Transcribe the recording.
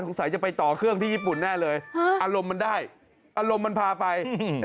จะไปต่อเครื่องที่ญี่ปุ่นแน่เลยอารมณ์มันได้อารมณ์มันพาไปอืม